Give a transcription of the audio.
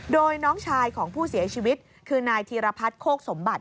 โดยน้องชายของผู้เสียชีวิตคือนายธีรพัฒน์โคกสมบัติ